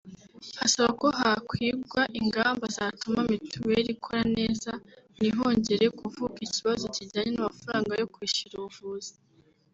hasabwa ko hakwigwa ingamba zatuma Mituweli ikora neza ntihongere kuvuka ikibazo kijyanye n’amafaranga yo kwishyura ubuvuzi